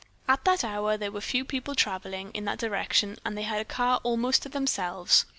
At that hour there were few people traveling in that direction and they had a car almost to themselves.